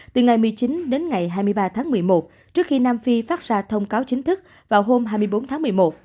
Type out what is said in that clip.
từ ngày một mươi chín đến ngày hai mươi ba tháng một mươi một trước khi nam phi phát ra thông cáo chính thức vào hôm hai mươi bốn tháng một mươi một